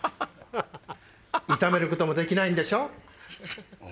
炒めることもできないんでしょ？